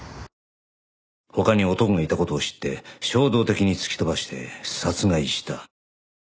他に男がいた事を知って衝動的に突き飛ばして殺害した。